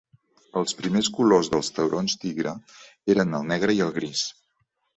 Els primers colors dels taurons tigre eren el negre i el gris.